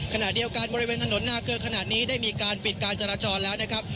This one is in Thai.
ขณะเดียวกันบริเวณถนนนาเกลือขนาดนี้ได้มีการปิดการจราจรแล้วนะครับ